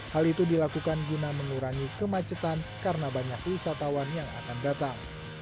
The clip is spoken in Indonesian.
hal itu dilakukan guna mengurangi kemacetan karena banyak wisatawan yang akan datang